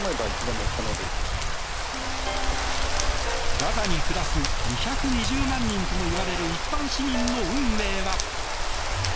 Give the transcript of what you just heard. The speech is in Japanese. ガザに暮らす２２０万人ともいわれる一般市民の運命は。